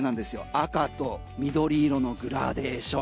赤と緑色のグラデーション。